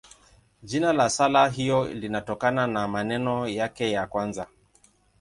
Jina la sala hiyo linatokana na maneno yake ya kwanza.